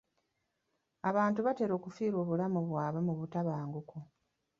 Abantu batera okufiirwa obulamu bwabwe mu butabanguko.